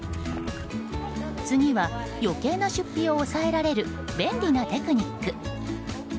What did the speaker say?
次は余計な出費を抑えられる便利なテクニック。